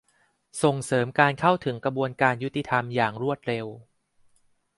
ส่งเสริมการเข้าถึงกระบวนการยุติธรรมอย่างรวดเร็ว